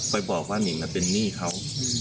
ไปบอกว่านิ่งเป็นหนี้เขา